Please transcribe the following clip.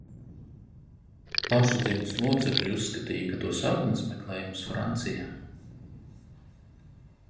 Paši dzimtas locekļi uzskatīja, ka to saknes meklējamas Francijā.